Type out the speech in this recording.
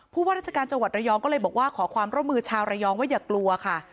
ว่าราชการจังหวัดระยองก็เลยบอกว่าขอความร่วมมือชาวระยองว่าอย่ากลัวค่ะ